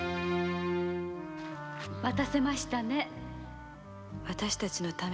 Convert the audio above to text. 待たせましたね